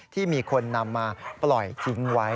ที่มีคนนำมาปล่อยทิ้งไว้